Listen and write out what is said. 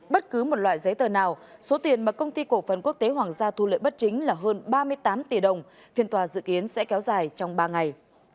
bất cứ một loại giấy tờ nào số tiền mà công ty cổ phần quốc tế hoàng gia thu lợi bất chính là hơn ba mươi tám tỷ đồng phiên tòa dự kiến sẽ kéo dài trong ba ngày